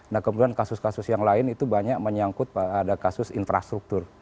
nah kemudian kasus kasus yang lain itu banyak menyangkut pada kasus infrastruktur